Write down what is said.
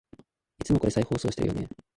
いつもこれ再放送してるよね